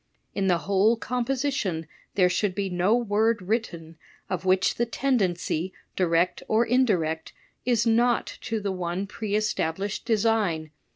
In the whole composition there should be no word written, of which the tendency direct or indirect, is not to the one pre established design.